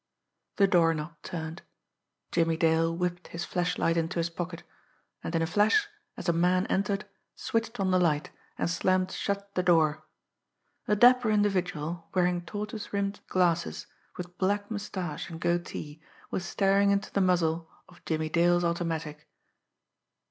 The doorknob turned. Jimmie Dale whipped his flashlight into his pocket and in a flash, as a man entered, switched on the light, and slammed shut the door. A dapper individual, wearing tortoise rimmed glasses, with black moustache and goatee, was staring into the muzzle of Jimmie Dale's automatic.